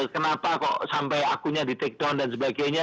kenapa kok sampai akunnya di take down dan sebagainya